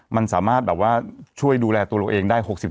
มันสามารถช่วยดูแลตัวเราเองได้๖๐๗๐